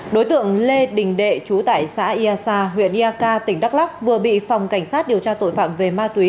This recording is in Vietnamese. đối tượng lê đình đệ trú tại xã ia sa huyện ia ca tỉnh đắk lắc vừa bị phòng cảnh sát điều tra tội phạm về ma túy